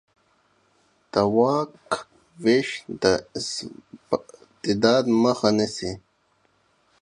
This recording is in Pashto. د واک وېش د استبداد مخه نیسي